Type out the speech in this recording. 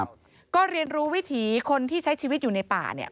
ก็เรียนรู้วิถีคนที่ใช้ชีวิตอยู่ในป่าเนี่ย